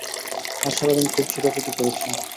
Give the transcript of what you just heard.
আজ সারাদিন খুব ছোটাছুটি করেছি।